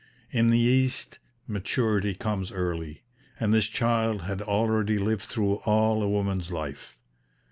In the East, maturity comes early; and this child had already lived through all a woman's life.